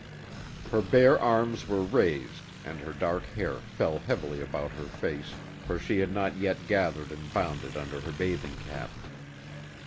Her bare arms were raised and her dark hair fell heavily about her face, for she had not yet gathered and bound it under her bathing cap.